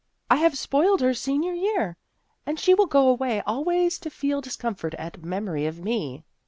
I have spoiled her senior year. And she will go away, always to feel discomfort at memory of me."